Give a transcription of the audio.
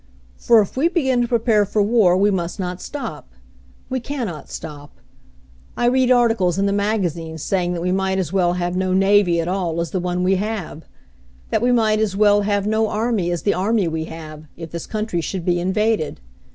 "For if we begin to prepare for war we must not stop. We can not stop. I read articles in the magazines saying that we might as well have no navy at all as the one we have; that we might as well have no army as the army we have, if this country should be invaded.